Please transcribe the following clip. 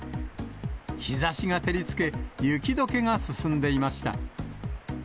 日ざしが照りつけ、雪どけが進んでいました。